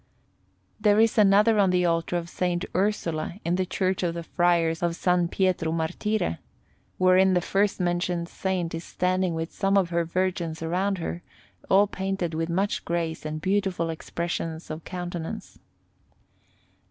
There is another on the altar of S. Ursula in the Church of the Friars of S. Pietro Martire, wherein the first mentioned Saint is standing with some of her virgins round her, all painted with much grace and beautiful expressions of countenance.